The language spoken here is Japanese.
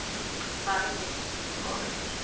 バーベキューどう？